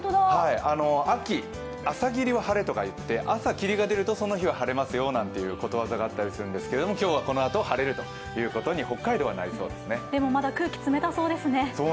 秋、朝霧は晴れとかいって朝、霧が出るとその日は晴れますよということわざがあったりするんですけれども、今日はこのあと晴れるということにまだ空気、冷たそうですね。